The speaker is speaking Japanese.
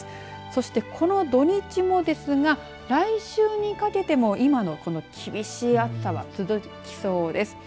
そして、この土日もですが来週にかけても今のこの厳しい暑さは続きそうです。